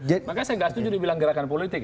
makanya saya nggak setuju dibilang gerakan politik